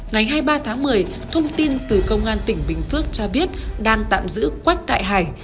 ngày hai mươi ba tháng một mươi thông tin từ công an tỉnh bình phước cho biết đang tạm giữ quách đại hải